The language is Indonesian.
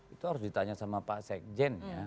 itu harus ditanya sama pak sekjen ya